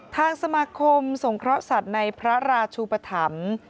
ทางสมาคมสงเคราะห์สัตว์ในพระราชูปธรรม